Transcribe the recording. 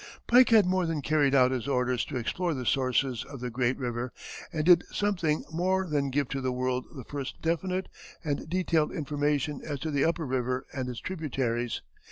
Pike had more than carried out his orders to explore the sources of the great river, and did something more than give to the world the first definite and detailed information as to the upper river and its tributaries.